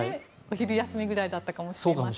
昼休みぐらいだったかもしれません。